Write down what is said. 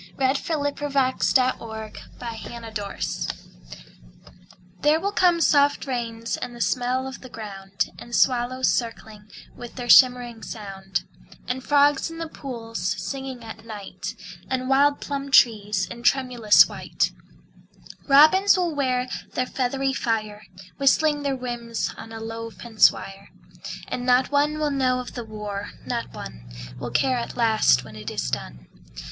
VIII "There Will Come Soft Rains" (War Time) There will come soft rains and the smell of the ground, And swallows circling with their shimmering sound; And frogs in the pools singing at night, And wild plum trees in tremulous white; Robins will wear their feathery fire Whistling their whims on a low fence wire; And not one will know of the war, not one Will care at last when it is done.